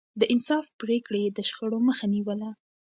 د انصاف پرېکړې يې د شخړو مخه نيوله.